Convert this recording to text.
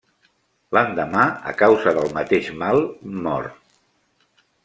L'endemà, a causa del mateix mal, mor.